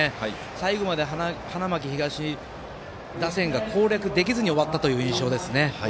最後まで花巻東打線が攻略できずに終わったという印象ですね。